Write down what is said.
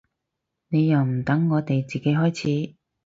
你又唔等我哋自己開始